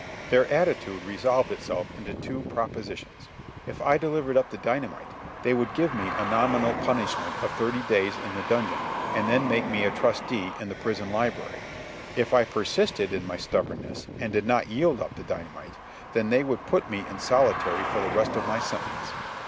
Their attitude resolved itself into two propositions. If I delivered up the dynamite, they would give me a nominal punishment of thirty days in the dungeon and then make me a trusty in the prison library. If I persisted in my stubbornness and did not yield up the dynamite, then they would put me in solitary for the rest of my sentence.